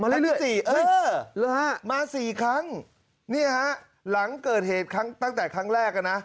มาเรื่อยเอ้ยหรือฮะมา๔ครั้งนี่ฮะหลังเกิดเหตุตั้งแต่ครั้งแรกนะ